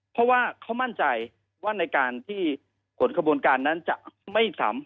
เพราะว่าเขามั่นใจว่าในการที่ผลขบวนการนั้นจะไม่สามารถ